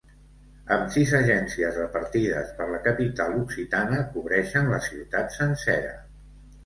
Amb sis agències repartides per la capital occitana, cobreixen la ciutat sencera.